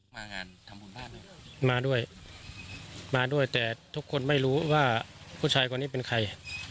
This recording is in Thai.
มางานทำบุญบ้านมาด้วยมาด้วยแต่ทุกคนไม่รู้ว่าผู้ชายคนนี้เป็นใคร